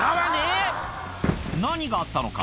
何があったのか？